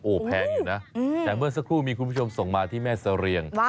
แพงอยู่นะแต่เมื่อสักครู่มีคุณผู้ชมส่งมาที่แม่เสรียง